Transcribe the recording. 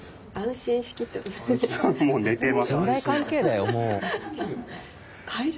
信頼関係だよもう。